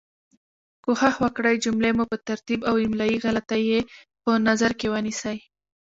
کوښښ وکړئ جملې مو په ترتیب او املایي غلطې یي په نظر کې ونیسۍ